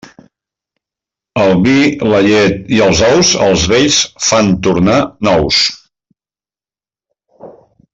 El vi, la llet i els ous els vells fan tornar nous.